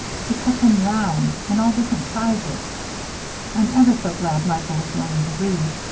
He cut them round and all different sizes. I'm ever so glad Michael is learning to read.